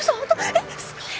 えっすごい。